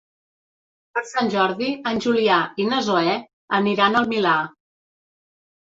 Per Sant Jordi en Julià i na Zoè aniran al Milà.